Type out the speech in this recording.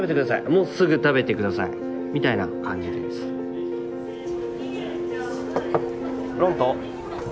もうすぐ食べて下さいみたいな感じですプロント。